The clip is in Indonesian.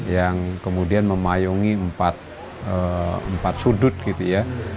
yang kemudian memayungi empat sudut gitu ya